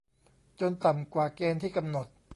จนต่ำกว่าเกณฑ์ที่กำหนด